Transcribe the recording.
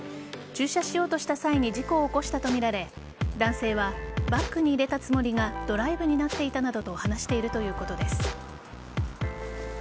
駐車しようとした際に事故を起こしたとみられ男性はバックに入れたつもりがドライブになっていたなどと話しているということです。